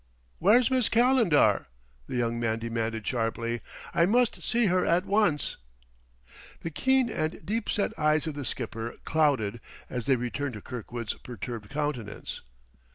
"Where's Miss Calendar?" the young man demanded sharply. "I must see her at once!" The keen and deep set eyes of the skipper clouded as they returned to Kirkwood's perturbed countenance.